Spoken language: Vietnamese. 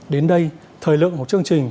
đến đây thời lượng của chương trình